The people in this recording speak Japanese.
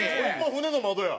船の窓や。